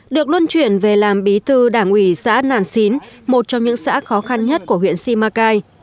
được luân chuyển về làm bí thư đảng ủy xã nàn xín một trong những xã khó khăn nhất của huyện simacai